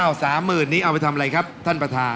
เอาสามหมื่นนี้เอาไปทำอะไรครับท่านประธาน